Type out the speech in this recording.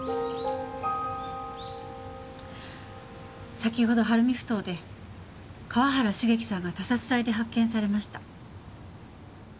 先ほど晴海埠頭で河原茂樹さんが他殺体で発見されました。